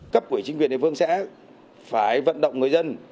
cấp quỹ chính quyền địa phương sẽ phải vận động người dân